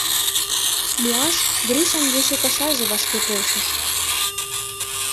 Муаш Гришан ече кышаже вашке полшыш.